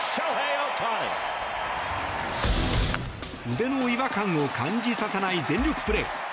腕の違和感を感じさせない全力プレー。